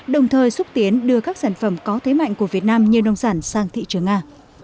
đồng thời xúc tiến đưa các sản phẩm có thế mạnh của việt nam như nông sản sang thị trường nga